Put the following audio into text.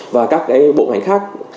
và các cái bộ ngành khác